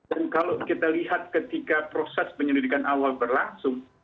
dan kalau kita lihat ketika proses penyelidikan awal berlangsung